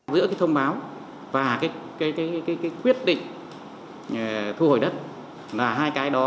giữa cái thông báo và cái quyết định thu hồi đất là hai cái đó